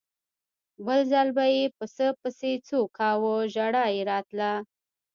بل ځل به یې پسه پسې څو کاوه ژړا یې راتله.